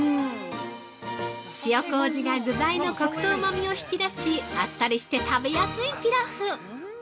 ◆塩こうじが具材のコクとうまみを引き出しあっさりして食べやすいピラフ。